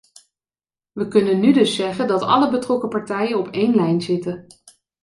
We kunnen nu dus zeggen dat alle betrokken partijen op één lijn zitten.